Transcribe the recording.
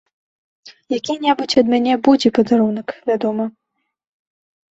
Які-небудзь ад мяне будзе падарунак, вядома.